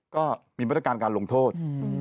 ก็มีบรรยากาลการลงโทษ